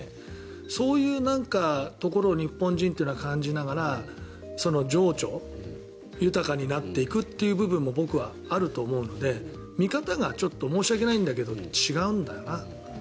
そういうところを日本人は感じながら情緒豊かになっていく部分も僕はあると思うので見方が、申し訳ないんだけど違うんだよな。